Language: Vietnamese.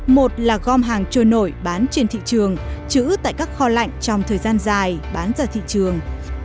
một là gom hàng trôi nổi bán trên thị trường chữ tại các kho lạnh trong thời gian dài bán ra thị trường